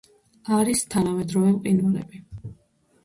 არის თანამედროვე მყინვარები.